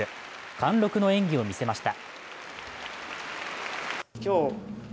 貫禄の演技を見せました。